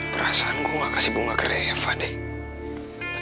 perasaan gue gak kasih bunga ke refa deh